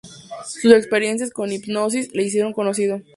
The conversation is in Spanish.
Sus experiencias con la hipnosis le hicieron conocido.